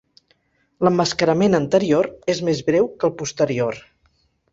L'emmascarament anterior és més breu que el posterior.